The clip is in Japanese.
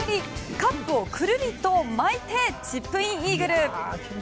カップをくるりと巻いてチップインイーグル。